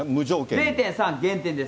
０．３減点です。